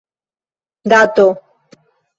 dato